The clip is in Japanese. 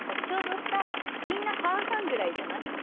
ちょうどさみんな半々ぐらいじゃない？